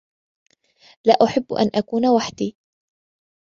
لا أحب أن أكون وحدي.